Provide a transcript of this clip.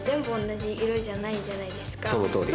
そのとおり。